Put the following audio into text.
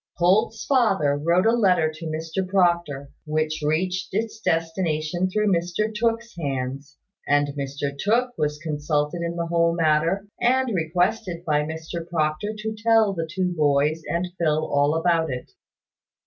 Holt's father wrote a letter to Mr Proctor, which reached its destination through Mr Tooke's hands; and Mr Tooke was consulted in the whole matter, and requested by Mr Proctor to tell the two boys and Phil all about it.